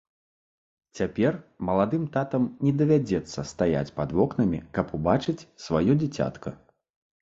Цяпер маладым татам не давядзецца стаяць пад вокнамі, каб убачыць сваё дзіцятка.